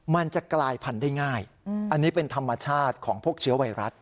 มันจะกลายพันธุ์ได้ง่ายอันนี้เป็นธรรมชาติของพวกเชื้อไวรัส